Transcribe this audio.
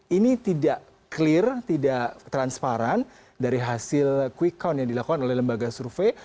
ini tidak clear tidak transparan dari hasil quick count yang dilakukan oleh lembaga survei